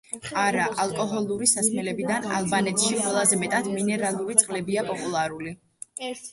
არა ალკოჰოლური სასმელებიდან ალბანეთში ყველაზე მეტად მინერალური წყლებია პოპულარული.